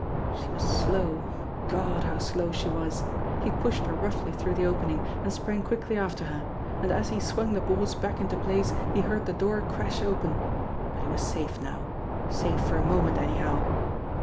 She was slow God, how slow she was! He pushed her roughly through the opening, and sprang quickly after her. And as he swung the boards back into place, he heard the door crash open. But he was safe now safe for a moment anyhow.